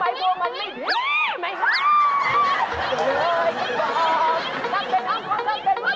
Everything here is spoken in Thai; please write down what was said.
แมธิทร์มันแค่ดูก็ทำให้รู้ว่าเธอน่ะ